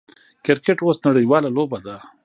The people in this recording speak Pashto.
کرکټ اوس نړۍواله لوبه ده.